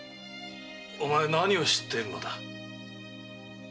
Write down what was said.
お前何を知っているのだ？